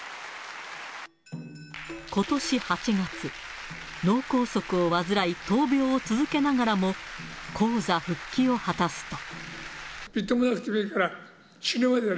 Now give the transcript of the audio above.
ことし８月、脳梗塞を患い、闘病を続けながらも、高座復帰を果たすと。